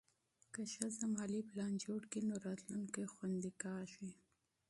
که ښځه مالي پلان جوړ کړي، نو راتلونکی خوندي کېږي.